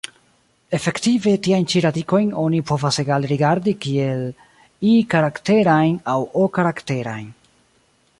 Efektive tiajn ĉi radikojn oni povas egale rigardi kiel I-karakterajn aŭ O-karakterajn.